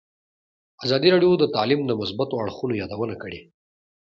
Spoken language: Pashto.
ازادي راډیو د تعلیم د مثبتو اړخونو یادونه کړې.